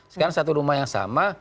sekarang satu rumah yang sama